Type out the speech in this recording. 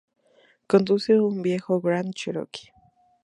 Conduce un viejo Grand Cherokee.